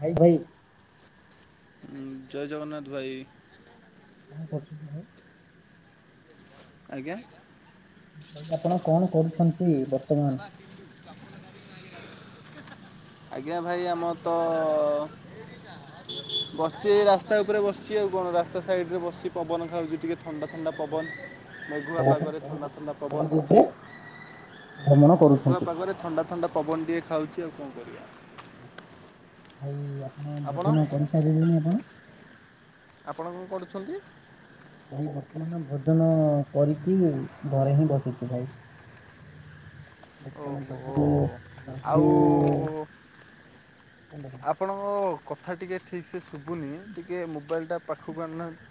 ଭାଇ ଭାଇ। ଉ ଜୟ ଜଗନ୍ନାଥ ଭାଇ। କଣ କରୁଛନ୍ତି ଭାଇ? ଆଜ୍ଞା। ମୁଁ କହିଲି ଆପଣ କଣ କରୁଛନ୍ତି ବର୍ତ୍ତମାନ? ଆଜ୍ଞା ଭାଇ ଆମର ତ ବସିଛି ଏଇ ରାସ୍ତା ଉପରେ ବସିଛି ଆଉ କଣ ରାସ୍ତା ସାଇଡ ରେ ବସିଚି ପବନ ଖାଉଛି ଟିକେ। ଥଣ୍ଡା ଥଣ୍ଡା ଆଚ୍ଛା, ପବନ ମେଘୁଆ ତାହେଲେ ଆପଣ ପାଗରେ ସଡ଼କ ଥଣ୍ଡା ଥଣ୍ଡା ସଡ଼କ ପବନ। ଉପରେ ଭ୍ରମଣ ମେଘୁଆ କରୁଛନ୍ତି। ପାଗରେ ଥଣ୍ଡା ଥଣ୍ଡା ପବନ ଟିକେ ଖାଉଛି ଆଉ କଣ କରିବା। ଭାଇ ଆପଣ ଭୋଜନ କରିସାରିଲେଣିି ଆପଣ? ଆପଣ କଣ କରୁଛନ୍ତି? ଭାଇ ବର୍ତ୍ତମାନ ଭୋଜନ କରିକି ଘରେ ହିଁ ବସିଛି ଭାଇ। ହୁ ଓହୋ ବର୍ତ୍ତମାନ ଆଉ [unintelligible] ଆପଣଙ୍କ କଥା ଟିକିଏ ଠିକ୍ ସେ ଶୁଭୁନି ଟିକେ ମୋବାଇଲ୍ ଟା ପାଖକୁ ଆଣୁନାହାଁନ୍ତି।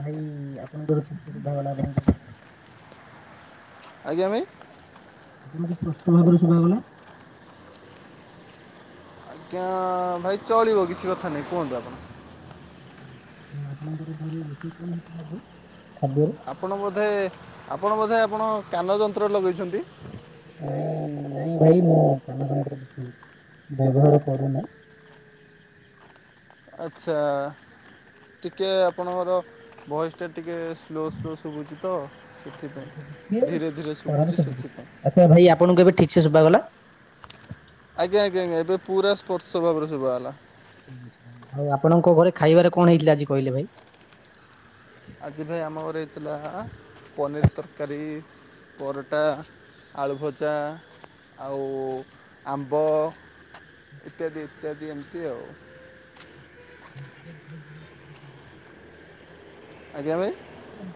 ଭାଇ ଆପଣଙ୍କ [unintelligible] ଆଜ୍ଞା ଭାଇ। ଆପଣଙ୍କୁ ସ୍ପଷ୍ଟ ଭାବରେ ଶୁଭା ଗଲା। ଆଜ୍ଞା ଭାଇ ଚଳିବ କିଛି କଥା ନାଇଁ କୁହନ୍ତୁ ଆପଣ। ଆପଣଙ୍କର ଘରେ ରୋଷେଇ କଣ ହେଇଛି ଆଜି ଖାଦ୍ୟରେ। ଆପଣ ବୋଧେ ଆପଣ ବୋଧେ ଆପଣ କାନ ଯନ୍ତ୍ର ଲଗେଇଛନ୍ତି। ନାଇଁ ନାଇଁ ଭାଇ ମୁଁ କାନ ଯନ୍ତ୍ର କିଛି ବ୍ୟବହାର କରୁନି। ଆଚ୍ଛା ଟିକିଏ ଆପଣଙ୍କର ଭଏସ୍ ଟା ଟିକେ ସ୍ଲୋ ସ୍ଲୋ ଶୁଭୁଛି ତ ସେଥିପାଇଁ ଶବ୍ଦ ଧୀରେ ଧୀରେ ଶୁଭୁଛି ସେଥିପାଇଁ। ଆଚ୍ଛ ଭାଇ ଆପଣଙ୍କୁ ଏବେ ଠିକ୍ ସେ ଶୁଭାଗଲା। ଆଜ୍ଞା ଆଜ୍ଞା ଆଜ୍ଞା ଏବେ ପୁରା ସ୍ପଷ୍ଟ ଭାବରେ ଶୁଭା ଗଲା। ଭାଇ ଆଉ ଆପଣଙ୍କ ଘରେ ଖାଇବାରେ କଣ ହେଇଥିଲା ଆଜି କହିଲେ ଭାଇ। ଆଜି ଭାଇ ଆମ ଘର ହେଇଥିଲା ପନିର୍ ତରକାରୀ ପରଟା ଆଳୁ ଭଜା ଆଉ ଆମ୍ବ ଇତ୍ୟାଦି ଇତ୍ୟାଦି ଏମିତି ଆଉ। [inaudible] [inaudible] ଆଜ୍ଞା ଭାଇ? ହୁଁ।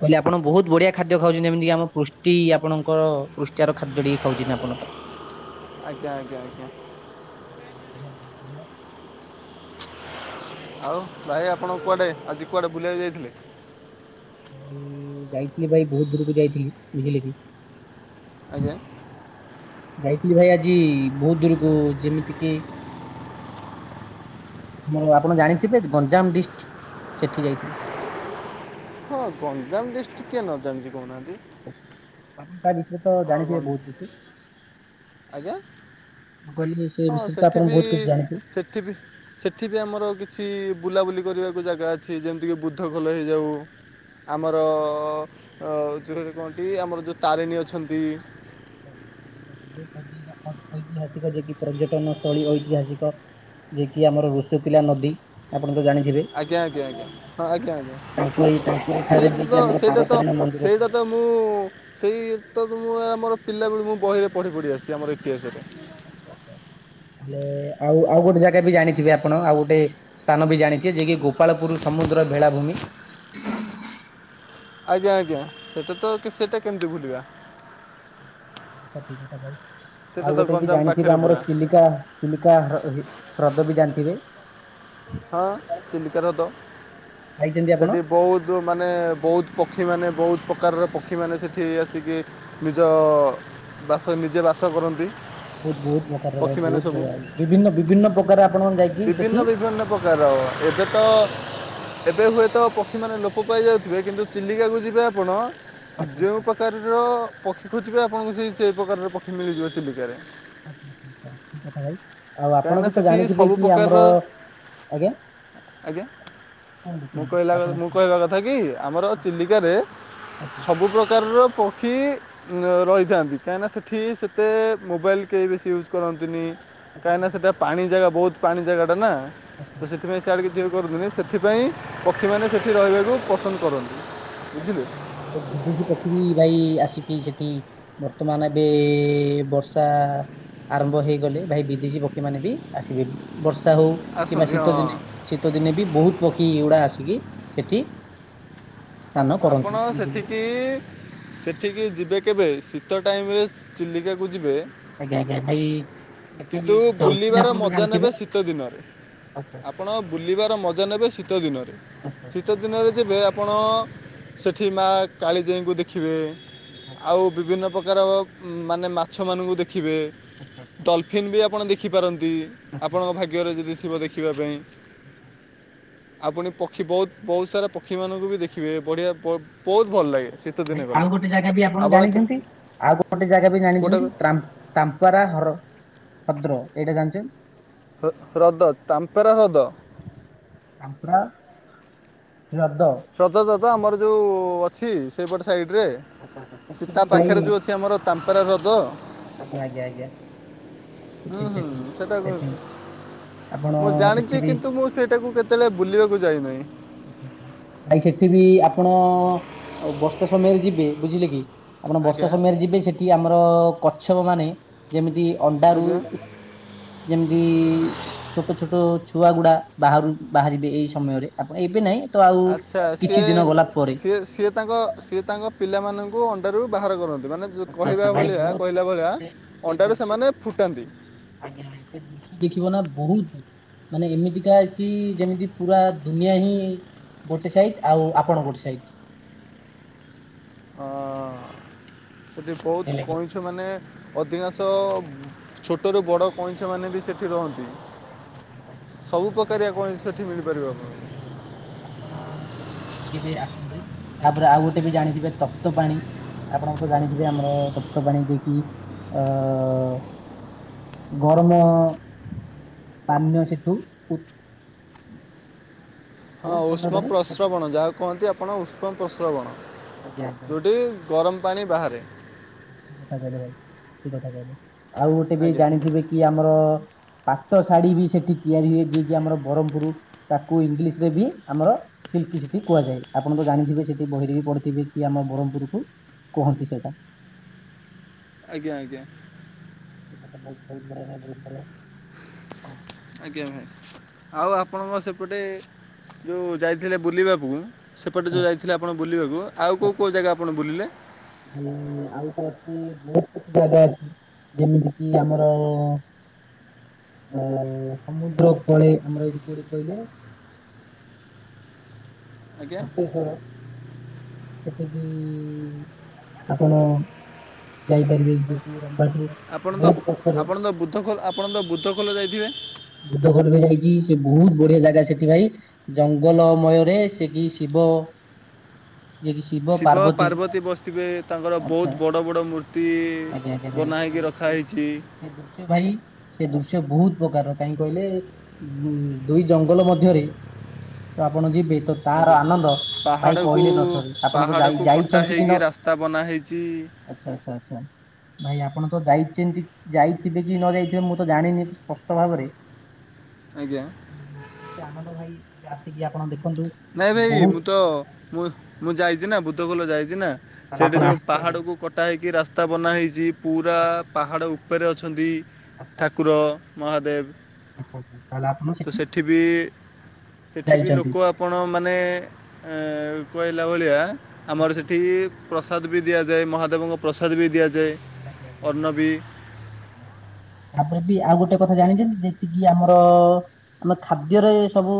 କହିଲି ଆପଣ ବହୁତ ବଢିଆ ଖାଦ୍ୟ ଖାଉଛନ୍ତି ଯେମିତିି ଆମ ପୃଷ୍ଟି ଆପଣଙ୍କର ପୃଷ୍ଟିଆର ଖାଦ୍ୟ ଟିକେ ଖାଉଛନ୍ତି ଆପଣ ତ। ଆଜ୍ଞା ଆଜ୍ଞା। [inaudible] ଆଉ ଭାଇ ଆପଣ କୁଆଡ଼େ ଆଜି କୁଆଡ଼େ ବୁଲିବାକୁ ଯାଇଥିଲେ? ଯାଇଥିଲି ଭାଇ ବହୁତ ଦୂରକୁ ଯାଇଥିଲି ବୁଝିଲେ କି। ଆଜ୍ଞା। ଯାଇଥିଲି ଭାଇ ଆଜି ବହୁତ ଦୂରକୁ ଯେମିତି କି ଆମର ଆପଣ ଜାଣିଥିବେ ଗଞ୍ଜାମ ଡିଷ୍ଟ୍ ସେଠି ଯାଇଥିଲି। ହଁ ଗଞ୍ଜାମ ଡିଷ୍ଟ୍ କିଏ ନ ଜାଣିଛି କରୁନାହାଁନ୍ତି। ତା ବିଷୟରେ ତ ଜାଣିଥିବେ ଗଞ୍ଜ ବହୁତ କିଛି? ଆଜ୍ଞା ମୁଁ କହିଲି ସେ ବିଷୟରେ ତ ଆପଣ ବହୁତ କିଛି ଜାଣିଥିବେ? ଥିବି। ସେଠି ବି ଆମର କିଛି ବୁଲାବୁଲି କରିବାକୁ ଜାଗା ଅଛି ଯେମିତିକି ବୁଦ୍ଧ ଖୋଲ ହେଇଯାଉ ଆମର ଯୋଉ ହେଟି କଣନ୍ତି ଆମର ଯୋଉ ତାରେଣୀ ଅଛନ୍ତି। [unintelligible] ପର୍ଯ୍ୟଟନ ସ୍ଥଳୀ ଐତିହାସିକ। ଯିଏ କିି ଆମର ଋଷିକୂଲ୍ୟା ନଦୀ ଆପଣ ତ ଜାଣିଥିବେ। ଆଜ୍ଞା ଆଜ୍ଞା ଆଜ୍ଞା ହଁ ଆଜ୍ଞା ଆଜ୍ଞା ତାଙ୍କରି ତାଙ୍କରି ଠାରେ ସେଟା ଯେ କି ତ ଆମର ସେଇଟା ତ ତାରାତାରିଣୀ ମନ୍ଦିର ଅଛି। ସେଇଟା ତ ମୁଁ ସେଇ ତ ମୁଁ ଆମର ପିଲାବେଳୁ ମୁଁ ବହିରେ ପଢ଼ି ପଢ଼ି ଆସିଛି ଆମର ଇତିହାସରେ। ତାହେଲେ ଆଉ ଆଉ ଗୋଟେ ଜାଗା ବି ଜାଣିଥିବେ ଆପଣ ଆଉ ଗୋଟେ ସ୍ଥାନ ବି ଜାଣିଥିବେ ଯିଏ କିି ଗୋପାଳପୁର ସମୁଦ୍ର ଭେଳାଭୂମି। ଆଜ୍ଞା ଆଜ୍ଞା ସେଟା ତ କି ସେଟା କେମିତି ଭୁଲିବା। [unintelligible] ଆଉ ସେଇଟା ତ ଗୋଟେ ବି ଗଞ୍ଜାମ ଜାଣିଥିବେ ପାଖରେ ଆମର ପୁରା ଚିଲିକା। ଚିଲିକା ହି ଅ ହ୍ରଦ ବି ଜାଣିଥିବେ। ହଁ ଚିଲକା ହ୍ରଦ ଯାଇଛନ୍ତି ଆପଣ ସେଠି ବହୁତ। ଯୋଉ ମାନେ ବହୁତ ପକ୍ଷୀମାନେ ବହୁତ ପ୍ରକାରର ପକ୍ଷୀମାନେ ସେଠି ଆସିକି। ନିଜ ବାସ ନିଜେ ବାସ କରନ୍ତି। ବହୁତ ବହୁତ ପ୍ରକାର ଭାଇ ପକ୍ଷୀମାନେ ବହୁତ ସବୁ ପ ବିଭିନ୍ନ ବିଭିନ୍ନ ପ୍ରକାର ଆପଣମାନେ ଯାଇକି ସେଠି ବିଭିନ୍ନ ବିଭିନ୍ନ ପ୍ରକାର ଏବେ ତ। ଏବେ ହୁଏତ ପକ୍ଷୀମାନେ ଲୋପ ପାଇ ଯାଉଥିବେ କିନ୍ତୁ ଚିଲିକାକୁ ଯିବେ ଆପଣ। ଆଚ୍ଛା ଆଚ୍ଛା ଯେଉଁ ପ୍ରକାରର ପକ୍ଷୀ ଖୋଜିବେ ଆପଣଙ୍କୁ ସେଇ ସେହି ପ୍ରକାରର ପକ୍ଷୀ ମିଳିଯିବ ଚିଲିକାରେ। ଆଛା ଆଛା ଆଛା ଠିକ୍ କଥା ଭାଇ। ଆଉ ଆପଣ କାହିଁକିନା ବି ତ ସେଠି ଜାଣିଥିବେ ସବୁ କି ପ୍ରକାରର ଆମର ଆଜ୍ଞା। ଆଜ୍ଞା କୁହନ୍ତୁ ମୁଁ କୁହନ୍ତୁ କହିଲା ଆପଣ ବେଳେ ମୁଁ କୁହନ୍ତୁ କହିବା କଥା କି ଆମର ଚିଲିକାରେ। ଆଚ୍ଛା ସବୁ ପ୍ରକାରର ପ ଖି ରହିଥାନ୍ତି କାହିଁକିନା ସେଠି ସେତେ ମୋବାଇଲ କେହି ବେଶୀ ୟୁଜ୍ କରନ୍ତିନି। ଠିକ କାହିଁକି କଥା ନା ଭାଇ। ସେଟା ପାଣି ଜାଗା ବହୁତ ପାଣି ଜାଗାଟା ନା ଆଚ୍ଛା ତ ସେଥିପାଇଁ। [unintelligible] ସେଥିପାଇଁ ପକ୍ଷୀମାନେ ସେଇଠି ରହିବାକୁ ପସନ୍ଦ କରନ୍ତି ବୁଝିଲେ। ଭାଇ ବିଦେଶୀ ପକ୍ଷି ବି ଭାଇ ଆସିକି ସେଠି। ବର୍ତ୍ତମାନ ଏବେ ବର୍ଷା। ଆରମ୍ଭ ହେଇଗଲେ ଭାଇ ବିଦେଶୀ ପକ୍ଷୀ ମାନେ ବି ଆସିବେ ବର୍ଷା ହଉ। କିମ୍ବା ଆସନ୍ତି ହଁ ଶୀତ ଦିନେ ଶୀତ ଦିନେ ବି ବହୁତ ପକ୍ଷୀ ଗୁଡା ଆସିକି ସେଠି। ସ୍ଥାନ କରନ୍ତି ଆପଣ ବୁଝିଲେ ସେଠିକି। ସେଠିକି ଯିବେ କେବେ ଶୀତ ଟାଇମ ସ୍ ରେ ଚିଲିକାକୁ ଯିବେ। ଆଜ୍ଞା ଆଜ୍ଞା ଭାଇ। ସେଠି କିନ୍ତୁ ଡଲଫିନ ବୁଲିବାର ଆପଣ ତ ମଜା ଜାଣିଥିବେ ନେବେ ଶୀତ ଦିନରେ। ଆଚ୍ଛା ଆଚ୍ଛା ଆପଣ ବୁଲିବାର ମଜା ନେବେ ଶୀତ ଦିନରେ ଆଚ୍ଛା ଆଚ୍ଛା ଶୀତ ଭାଇ ଦିନରେ। ଯିବେ ଆପଣ ସେଠି ମା କାଳିଜାଇଙ୍କୁ ଦେଖିବେ ଆଚ୍ଛା ଆଉ ବିଭିନ୍ନ ପ୍ର ପ୍ରକାର ମାନେ ମାଛ ମାନଙ୍କୁ ଦେଖିବେ। ଆଚ୍ଛା ଆଚ୍ଛା ଆଚ୍ଛା। ଫିନ୍ ବି ଆପଣ ଦେଖିପାରନ୍ତି ଆଚ୍ଛା ଆପଣଙ୍କ ଆଚ୍ଛା ଭାଗ୍ୟରେ ଯଦି ଥିବ ଦେଖିବା ପାଇଁ। ଆଚ୍ଛା ଆଉ ପୁଣି ପକ୍ଷୀ ବହୁତ ବହୁତ ସାରା ପକ୍ଷୀମାନଙ୍କୁ ବି ଦେଖିବେ ବଢିଆ ବ ବହୁତ ଭଲ ଲାଗେ ସେ ଭାଇ ଆଉ ଗୋଟେ ଜାଗା ବି ଆପଣ ଜାଣିଛନ୍ତି ଆଉ ଗୋଟେ ଜାଗା ବି କେଉଁଟା ଜାଣିଛନ୍ତି ଟ୍ରାମ ତାମ୍ପରା ହର ହଦ୍ର ଏଇଟା ଜାଣିଛନ୍ତି। ହ୍ ହ୍ରଦ ତାମ୍ପେରା ହ୍ରଦ। ତାମ୍ପରା ହ୍ରଦ। ହ୍ରଦ ଟା ତ ଆମର ଯୋଉ ଅଛି ସେଇପଟ ସାଇଡ଼୍ ରେ। ଆଚ୍ଛା ଆଚ୍ଛା ସେଠି ସୀତା ବି ଭାଇ ପାଖରେ ଯୋଉ ଅଛି ଆମର ତାମ୍ପେରା ହ୍ରଦ। ଆଜ୍ଞା ଆଜ୍ଞା ଆଜ୍ଞା। ହୁଁ ସେଠି ହୁଁ ସେଠି ସେଟା। ସେଠି ଆପଣ ମୁଁ ସେଠି ଜାଣିଚି ବି କିନ୍ତୁ ମୁଁ ସେଇଟାକୁ କେତେଳେ ବୁଲିବାକୁ ଯାଇନାହିଁ। ଓ ହୋ ଭାଇ ସେଠି ବିି ଆପଣ ବର୍ଷା ସମୟରେ ଯିବେ ବୁଝିଲେ କି। ଆପଣ ଆଜ୍ଞା ବର୍ଷା ସମୟରେ ଯିବେ ସେଠି ଆମର କଛ୍ୟପ ମାନେ ଯେମିତି ଅଣ୍ଡାରୁ। ଆଜ୍ଞା ଯେମିତି ଛୋଟ ଛୋଟ ଛୁଆ ଗୁଡା ବାହାରୁ ବାହାରିବେ ଏଇ ସମୟରେ। ଆପଣ ଏବେ ନାଇଁ। ତ ଆଉ ଆଚ୍ଛା କିଛି ସିଏ ଦିନ ଗଲା ପରେ ସିଏ ସିଏ ତାଙ୍କ ସିଏ। ତାଙ୍କ ପିଲାମାନଙ୍କୁ ଅଣ୍ଡାରୁ ବାହାର କରନ୍ତି ମାନେ। ଯୋଉ ଆଚ୍ଛା ଆଚ୍ଛା କହିବା ଭାଇ ଭଳିଆ ବହୁତ କହିଲା ଭଳିଆ ସେ ସେ ଅଣ୍ଡାରୁ ଦୃଶ୍ୟ ସେମାନେ ଫୁଟାନ୍ତି। ଆଜ୍ଞା ଭାଇ ସେ ଦୃଶ୍ୟ ଦେଖିବ ନା ବହୁତ ମାନେ ଏମିତିକା କି ଯେମିତି ପୁରା ଦୁନିଆ ହିଁ ଗୋଟେ ସାଇଟ ଆଉ ଆପଣ ଗୋଟେ ସାଇଟି। ହଁ ସେଠି ବହୁତ ବୁଝିଲେ କି କଇଁ ମାନେ ଅଧିକାଂଶ ଛୋଟରୁ ବଡ଼ କଇଁଛମାନେ ବି ସେଠି ରହନ୍ତି। ଆଚ୍ଛା ଆଚ୍ଛା ଭାଇ ସେଠି ସେଠି ସବୁ ସେଠି ପ୍ରକାରିଆ କଇଁଛ ସେଠି ମିଳିପାରିବ ଆପଣଙ୍କୁ। ଆପଣ କେବେ ଆସନ୍ତୁ। ତାପରେ ଆଉ ଗୋଟେ ବି ଜାଣିଥିବେ ତପ୍ତ ପାଣି। ଆପଣ ତ ଜାଣିଥିବେ ଆମର ତପ୍ତବାଣୀ ଯେକି ଅ ଗରମ ପାନୀୟ ସେତୁ ହୁଁ [inaudible] ହଁ ଉଷ୍ମ ପ୍ରସ୍ରବଣ ଯାହାକୁ କହନ୍ତି ଆପଣ ଉଷ୍ମ ପ୍ରସ୍ରବଣ ଦିଆଯାଏ ଠିକ ଯେଉଁଠି ଗରମ ପାଣି ବାହାରେ। [unintelligible] ଆଉ ଗୋଟେ ବି ଆଜ୍ଞା ଜାଣିଥିବେ କି ଆମର ପାଟ ଶାଢୀ ବି ସେଠି ତିଆରି ହୁଏ। ଯିଏକି ଆମର ବ୍ରହ୍ମପୁର ତାକୁ ଇଂଲିଶ ରେ ବି ଆମର ସିଲିକି ସିଟି କୁହାଯାଏ। ଆପଣ ତ ଜାଣିଥିବେ ସେଠି ବହିରେ ବି ପଢ଼ିଥିବେ କି ଆମ ବ୍ରହ୍ମପୁରକୁ କୁହନ୍ତି ସେଟା। ଆଜ୍ଞା ଆଜ୍ଞା। ଏ କଥା ବହୁତ ବହୁତ ବଢିଆ ଭାଇ ବହୁତ ବଢିଆ [inaudible] ଆଜ୍ଞା ଭାଇ ଆଉ ଆପଣ ସେପଟେ ଯୋଉ ଯାଇଥିଲେ ବୁଲିବାକୁ। ସେପଟେ ଆଚ୍ଛା, ଯୋଉ ଯାଇଥିଲେ ଆପଣ ବୁଲିବାକୁ ଆଉ କୋଉ କୋଉ ଜାଗା ଆପଣ ବୁଲିଲେ? ଉଁ ଆଉ ତ ଅଛି ବହୁତ କିଛି ଜାଗା ଅଛି। ଯେମିତି କିି ଆମର ଅ ସମୁଦ୍ର କୂଳେ ଆମର ଏଇଠି କୁଠି କହିଲେ? ଆଜ୍ଞା ବତେସ୍ୱର। ସେଠିବି ଆପଣ ଯାଇପାରିବେ କି ରମ୍ବାଠୁ ବହୁତ ପଛରେ। ବୁଦ୍ଧ ଖୋଲ ଆପଣ ତ ବୁଦ୍ଧ ଖୋଲ ଯାଇଥିବେ? ବୁଦ୍ଧ ଖୋଲ ବି ଯାଇଛି ସେ ବହୁତ ବଢିଆ ଜାଗା ସେଠି ଭାଇ। ଜଙ୍ଗଲମୟରେ ସେଠି ଶିବ ଶିବ ପାର୍ବତୀ ବସିଥିବେ ତାଙ୍କର ଆଚ୍ଛା ବହୁତ ବଡ଼ ବଡ଼ ମୂର୍ତ୍ତି। ଆଜ୍ଞା ଆଜ୍ଞା ଭାଇ ବନାହେଇକି ଭାଇ ସେ ରଖାହେଇଚି। ସେ ଦୃଶ୍ୟ ଭାଇ ସେ ଦୃଶ୍ୟ ବହୁତ ପ୍ରକାର। କାହିଁ କହିଲେ ଉ ଦୁଇ ଜଙ୍ଗଲ ମଧ୍ୟରେ ଆପଣ ଯିବେ ତ ତାହାର ଆଜ୍ଞା ଆନନ୍ଦ ଭାଇ ପାହାଡ଼କୁ କହିଲେ ନ ସରି ଆପଣ ତ ଯାଇ ପାହାଡ଼କୁ କଟା ଯାଇଛନ୍ତି କି ହେଇକି ନ ରାସ୍ତା ବନା ହେଇଛି ଆଛା ଆଛା, ଆଛା। ଭାଇ ଆପଣ ତ ଯାଇଚନ୍ତି ଯାଇଥିବେ କି ନ ଯାଇଥିବେ ମୁଁ ତ ଜାଣିନି ସ୍ପଷ୍ଟ ଭାବରେ। ଆଜ୍ଞା। ଆନନ୍ଦ ଭାଇ ଏବେ ଆସିକି ଆପଣ ଦେଖନ୍ତୁ। ନାଇଁ ଭାଇ ବହୁତ ମୁଁ ତ ମୁଁ ମୁଁ ଯାଇଛି ନା ବୁଦ୍ଧଖୋଲ ଯାଇଛି ନା ତାହେଲେ ସେଇଠି ଆପଣ ଯେଉ ଆସିଛନ୍ତି ପାହାଡ଼କୁ କଟା ହେଇକି ରାସ୍ତା ବନା ହେଇଚି ପୁରା ଆଚ୍ଛା ପାହାଡ଼ ଉପରେ ଅଛନ୍ତି ଆଚ୍ଛା ଆଚ୍ଛା ଠାକୁର। ଆଚ୍ଛା ମହାଦେବ ଆଚ୍ଛା ତାହେଲେ ଆପଣ ତ ସେଠି ବି ସେଠି ବି ଯାଇଛନ୍ତି ଲୋକ ଆପଣମାନେ ଏ କହିଲା ଭଳିଆ ଆମର ଆଚ୍ଛା ସେଠି ପ୍ରସାଦ ବି ଦିଆଯାଏ ମହାଦେବଙ୍କ ପ୍ରସାଦ ବି ଦିଆଯାଏ। ଆଜ୍ଞା, ଅନ୍ନ ବି ଆଜ୍ଞା,। ତାପରେ ବି ଆଉ ଗୋଟେ କଥା ଜାଣିଚନ୍ତି ଯେତିକି ଆମର ଆମ ଖାଦ୍ୟରେ ସବୁ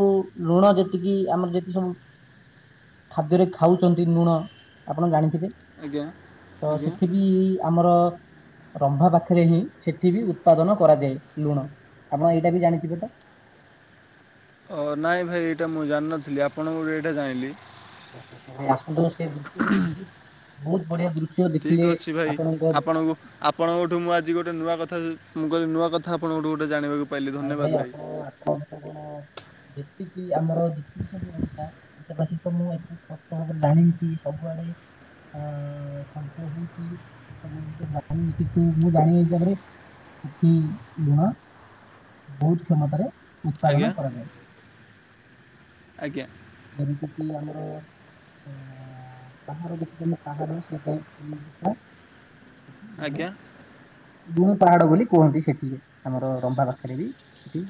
ଲୁଣ ଯେତିକି ଆମର ଯେତିକି ସବୁ ଖାଦ୍ୟରେ ଖାଉଚନ୍ତି ଲୁଣ, ଆପଣ ଜାଣିଥିବେ। ଆଜ୍ଞା ତ ଆଜ୍ଞା ସେଠ ବିି ଆମର ରମ୍ଭା ପାଖରେ ହିଁ ସେଠି ବି ଉତ୍ପାଦନ କରାଯାଏ। ଲୁଣ ଆପଣ ଏଇଟା ବି ଜାଣିଥିବେ ତ। ହ ନାଇଁ ଭାଇ ଏଇଟା ମୁଁ ଜାଣିନଥିଲି, ଆପଣଙ୍କ ଠୁ ଏଇଟା ଜାଇଁଲି। ଆ ଭାଇ ଆସନ୍ତୁ ସେ ଦୃଶ୍ୟ ବି ବହୁତ ବହୁତ ବଢିଆ ଦୃଶ୍ୟ ଠିକ୍ ଦେଖିଲେ ଅଛି ଭାଇ ଆପଣଙ୍କ ଆପଣଙ୍କୁ ଆପଣଙ୍କଠୁ ମୁଁ ଆଜି ଗୋଟେ ନୂଆ କଥା ମୁଁ କହିଲି ନୂଆ କଥା। ଆପଣଙ୍କଠୁ ଗୋଟେ ଜଣିବାକୁ ଆଇ ଭାଇ ଆପଣ ଆପଣ କଣ ଯେତିକି ଆମର ଯେତିକି ସବୁ ଓଡିଶା, ଓଡିଶା ବାସୀ ତ ମୁଁ ଏ ବର୍ଷା ହବ ଜାଣିଯିତି ସବୁଆଡେ [unintelligible] ସେଠ ଲୁଣ ବହୁତ କ୍ଷମତାରେ ଉତ୍ପାଦନ ଆଜ୍ଞା କରାଯାଏ। ଆଜ୍ଞା। ଯେମିତିକି ଆମର ପାହାଡ଼ କିଛିମ ପାହାଡ ସେଇଟା ଲୁଣ। ଆଜ୍ଞା ଗୁଁଣ ପାହାଡ ବୋଲି କୁହନ୍ତି ସେଠି। ଆମର ରମ୍ଭା ପାଖରେ ବି ସେଠି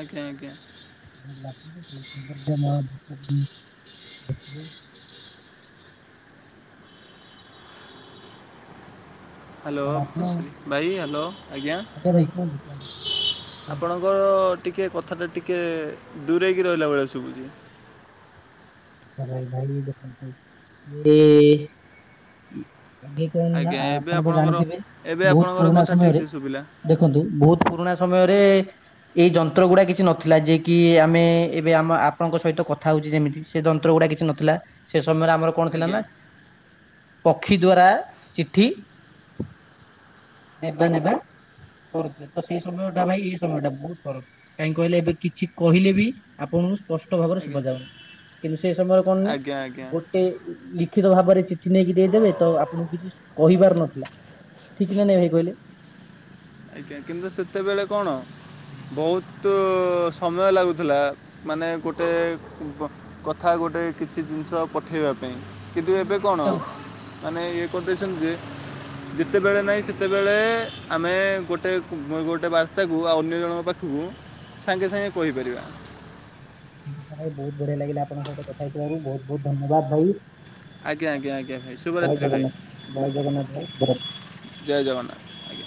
ଆଜ୍ଞା, ଆଜ୍ଞା। [unintelligible] [inaudible] ହାଲୋ ତାହେଲେ ଆପଣ ଭାଇ ହାଲୋ ଆଜ୍ଞା ଭାଇ କୁହନ୍ତୁ କୁହନ୍ତୁ କୁହନ୍ତୁ ଆପଣ କୁହନ୍ତୁ। ତାଙ୍କର ଟିକେ କଥାଟା ଟିକେ ଦୂରେଇକି ରହିଲା ଭଳିଆ ଶୁଭୁଚି। [unintelligible] ଏ କଣ ନା ଆଜ୍ଞା ଏବେ ଆପଣ ତ ଆପଣଙ୍କର ଜାଣିଥିବେ ଏବେ ବହୁତ ଆପଣଙ୍କର ପୁରୁଣା କଥା ଠିକ୍ ସମୟରେ ସେ ଶୁଭିଲା ଦେଖନ୍ତୁ ବହୁତ ପୁରୁଣା ସମୟରେ ଏଇ ଯନ୍ତ୍ର ଗୁଡା କିଛି ନଥିଲା। ଯିଏ କି ଆମେ ଏବେ ଆମ ଆପଣଙ୍କ ସହିତ କଥା ହଉଚି ଯେମିତି ସେ ଯନ୍ତ୍ର ଗୁଡା କିଛି ନଥିଲା ସେ ସମୟରେ ଆମର କଣ ଥିଲା ଆଜ୍ଞା ନା ପକ୍ଷୀ ଦ୍ଵାରା ଚିଠି ଦେବା ନେବା କରୁଥେ ତ ସେଇ ସମୟଟା ଭାଇ ଏଇ ସମୟ ଟା ବହୁତ ଫରକ। କାହିଁ କହିଲେ ଏବେ କିଛି କହିଲେ ବି ଆପଣ ସ୍ପଷ୍ଟ ଭାବରେ ଆଜ୍ଞା ଶୁଭାଯାଉନି? କିନ୍ତୁ ସେଇ ସମୟରେ କଣ ନା ଆଜ୍ଞା ଆଜ୍ଞା ଗେ ଲିଖିତ ଭାବରେ ଚିଠି ନେଇକି ଦେଇଦେବେ ତ ଆପଣଙ୍କୁ କିଛି କହିିବାର ନଥିଲା। ସେ ବା ନେଳି ପଇଲେ। ଆଜ୍ଞା। କିନ୍ତୁ ସେତେବେଳେ କଣ? ହୁଁ ବହୁତ ସମୟ ଲାଗୁଥିଲା ମାନେ ଗୋଟେ କଥା ଗୋଟେ କିଛି ଜିନିଷ ପଠେଇବା ପାଇଁ। କିଛି କିନ୍ତୁ ଦିନ ଏବେ ବିତି କଣ। ଯାଉଥିଲା ମାନେ ଇଏ କରିଦେଇଛନ୍ତି ଯେ ଯେତେବେଳେ ନାହିଁ ସେ- - ସେତେବେଳେ ଆମେ- - ଗୋଟେ ଗୋଟେ ବାର୍ତ୍ତାକୁ ଆଉ ଅନ୍ୟ ଜଣଙ୍କ ପାଖକୁ ସାଙ୍ଗେ ସାଙ୍ଗେ କହିପାରିବା। ଭାଇ ବହୁତ ବଢିଆ ଲାଗିଲା ଆପଣଙ୍କ ସହିତ କଥା ହେଇଥିବାରୁ ବହୁତ ବହୁତ ଧନ୍ୟବାଦ ଭାଇ। ଆଜ୍ଞା ଆଜ୍ଞ ଆଜ୍ଞା ଜୟ ଶୁଭରାତ୍ରି ଭାଇ। ଜଗନ୍ନାଥ ଜୟ ଜଗନ୍ନାଥ ଭାଇ ଭରତ- - ଜୟ ଜଗନ୍ନାଥ ଆଜ୍ଞା।